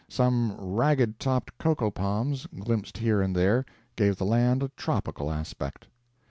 Some ragged topped cocoa palms, glimpsed here and there, gave the land a tropical aspect.